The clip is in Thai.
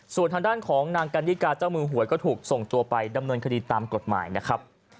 ส่วนทางด้านของนางกันนิกาเจ้ามือหวยก็ถูกส่งตัวไปดำเนินคดีตามกฎหมายนะครับ